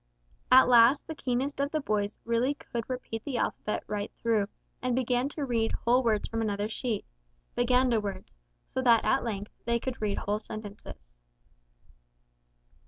At last the keenest of the boys really could repeat the alphabet right through and begin to read whole words from another sheet Baganda words so that at length they could read whole sentences.